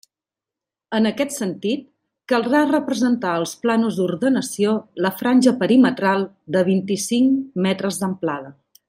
En aquest sentit caldrà representar als plànols d'ordenació la franja perimetral de vint-i-cinc metres d'amplada.